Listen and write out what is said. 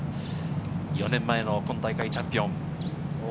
４年前の今大会のチャンピオン。